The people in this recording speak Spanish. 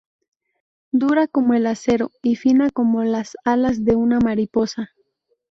Dura como el acero, y fina como las alas de una mariposa.